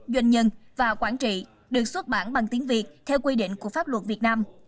doanh nhân và quản trị được xuất bản bằng tiếng việt theo quy định của pháp luật việt nam